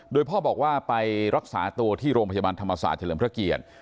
โดยพ่อบอกว่าไปรักษาตัวที่โรงพยาบาลธรรมศาสตร์เฉลิมพระเกียรติ